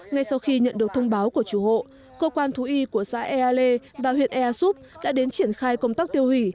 ngay sau khi nhận được thông báo của chủ hộ cơ quan thú y của xã ea lê và huyện ea súp đã đến triển khai công tác tiêu hủy